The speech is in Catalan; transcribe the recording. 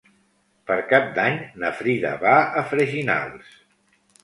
Per Cap d'Any na Frida va a Freginals.